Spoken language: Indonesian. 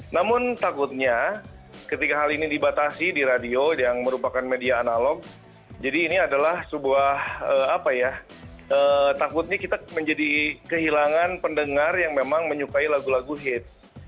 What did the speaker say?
namun takutnya ketika hal ini dibatasi di radio yang merupakan media analog jadi ini adalah sebuah apa ya takutnya kita menjadi kehilangan pendengar yang memang menyukai lagu lagu hit